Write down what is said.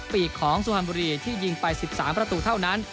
ปีกของสุพรรณบุรีที่ยิงไป๑๓ประตูเท่านั้น